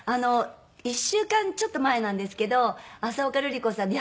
１週間ちょっと前なんですけど浅丘ルリ子さんに。